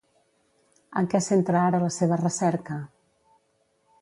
En què centra ara la seva recerca?